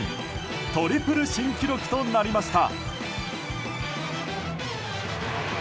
トリプル新記録となりました。